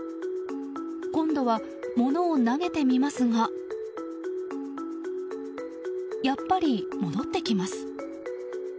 今度は物を投げてみますがやっぱり戻ってきます。